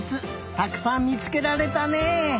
たくさんみつけられたね。